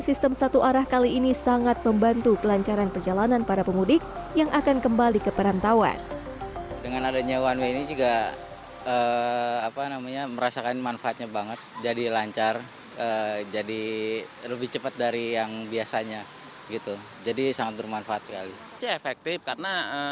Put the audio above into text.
sistem pengaturan ini dinilai efektif untuk mencegah kemacetan